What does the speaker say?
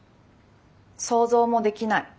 想像もできない。